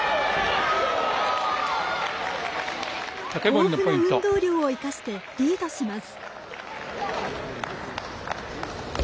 豊富な運動量を生かしてリードします。